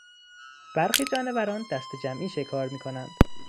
برخی جانوران دستهجمعی شکار میکنند.